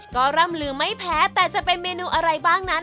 ก็ร่ำลือไม่แพ้แต่จะเป็นเมนูอะไรบ้างนั้น